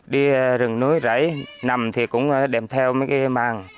đi rừng núi rảy nằm thì cũng đem theo mấy cái màng